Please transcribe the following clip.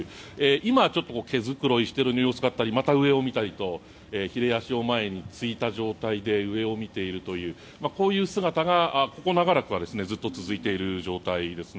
今、毛繕いしている様子だったりまた上を見たりとひれ足を前についた状態で上を見ているというこういう姿が、ここ長らくはずっと続いている状態ですね。